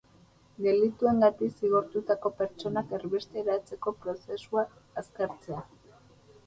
Delituengatik zigortutako pertsonak erbesteratzeko prozesua azkartzea.